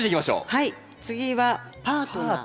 はい次はパートナー。